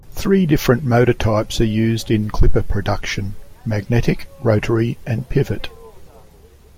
Three different motor types are used in clipper production: magnetic, rotary and pivot.